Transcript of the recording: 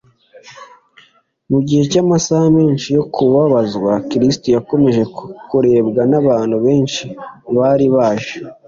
mu gihe cy’amasaha menshi yo kubabazwa, kristo yakomeje kurebwa n’abantu benshi bari baje